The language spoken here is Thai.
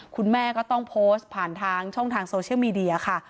คุณแม่ก็ต้องโพสต์ผ่านทางช่องทางโซเชียลมีเดียค่ะ